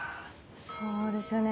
そうですよね。